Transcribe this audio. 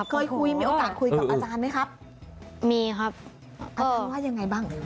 เคยคุยมีโอกาสคุยกับอาจารย์ไหมครับมีครับอาจารย์ว่ายังไงบ้าง